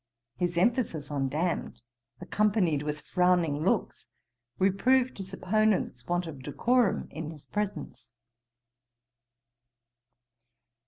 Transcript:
His emphasis on damned, accompanied with frowning looks, reproved his opponent's want of decorum in his presence.